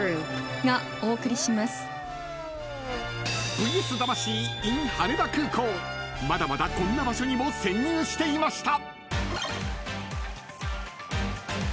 ［『ＶＳ魂』イン羽田空港まだまだこんな場所にも潜入していました］